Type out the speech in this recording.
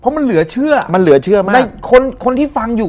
เพราะมันเหลือเชื่อมันเหลือเชื่อมากในคนคนที่ฟังอยู่